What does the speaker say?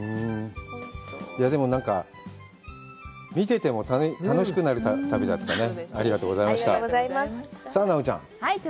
でもなんか、見てても楽しくなる旅だったね。